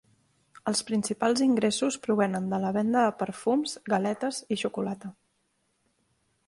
Els principals ingressos provenen de la venda de perfums, galetes i xocolata.